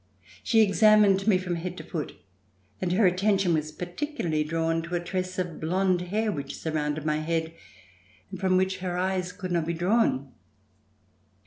She examined me from head to foot and her attention was particu larly drawn to a tress of blond hair which surrounded my head and from which her eyes could not be drawn.